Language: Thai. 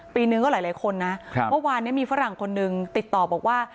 ปีนึงก็หลายคนนะเมื่อวานนี้มีฝรั่งคนหนึ่งติดต่อบอกว่า